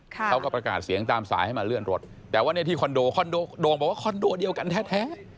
เขาก็ประกาศเสียงตามสายให้มาเลื่อนรถแต่ว่าเนี่ยที่คอนโดคอนโด่งบอกว่าคอนโดเดียวกันแท้